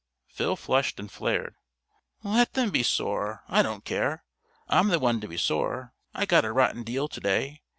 Phil flushed and flared. "Let them be sore, I don't care! I'm the one to be sore! I got a rotten deal to day.